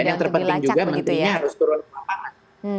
dan yang terpenting juga mentrinya harus turun ke lapangan